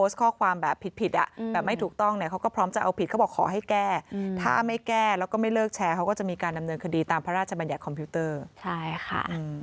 ถ้าไม่แก้แล้วก็ไม่เลิกแชร์เขาก็จะมีการดำเนินคดีตามพระราชบัญญาณคอมพิวเตอร์ใช่ค่ะ